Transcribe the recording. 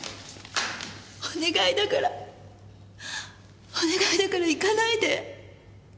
お願いだからお願いだから行かないで。